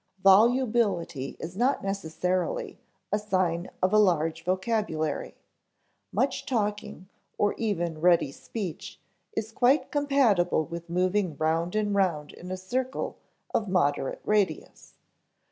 Volubility is not necessarily a sign of a large vocabulary; much talking or even ready speech is quite compatible with moving round and round in a circle of moderate radius.